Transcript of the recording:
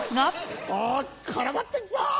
お絡まってるぞ！